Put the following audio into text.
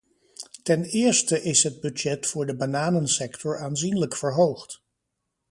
Ten eerste is het budget voor de bananensector aanzienlijk verhoogd.